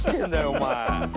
お前。